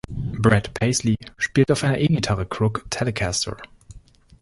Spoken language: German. Brad Paisley spielt auf einer E-Gitarre Crook Telecaster.